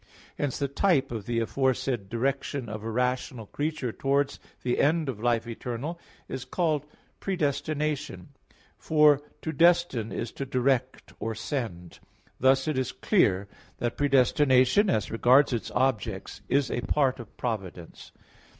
Hence the type of the aforesaid direction of a rational creature towards the end of life eternal is called predestination. For to destine, is to direct or send. Thus it is clear that predestination, as regards its objects, is a part of providence.